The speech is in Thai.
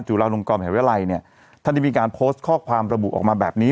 จุฬาลงกรมหาวิทยาลัยเนี่ยท่านได้มีการโพสต์ข้อความระบุออกมาแบบนี้